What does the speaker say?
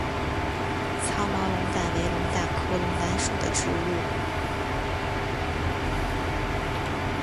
糙毛龙胆为龙胆科龙胆属的植物。